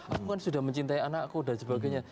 aku kan sudah mencintai anakku dan sebagainya